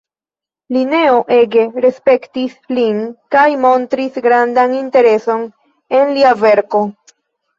Lineo ege respektis lin kaj montris grandan intereson en lia verko.